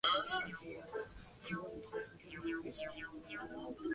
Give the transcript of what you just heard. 这个区域被分为北边的北部地区。